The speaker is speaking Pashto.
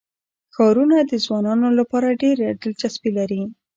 ښارونه د ځوانانو لپاره ډېره دلچسپي لري.